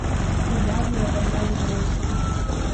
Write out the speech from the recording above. У бабы адабраць грошы.